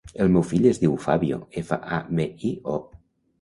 El meu fill es diu Fabio: efa, a, be, i, o.